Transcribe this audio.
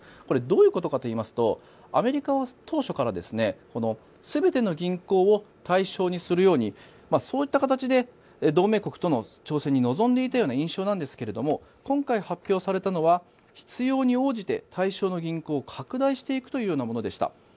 これどういうことかといいますとアメリカは当初から全ての銀行を対象にするようにそういった形で同盟国との調整に臨んでいたような印象なんですが今回発表されたのは必要に応じて対象となる銀行を拡大するというものでした。